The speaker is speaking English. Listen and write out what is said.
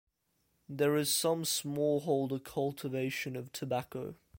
There is some smallholder cultivation of tobacco.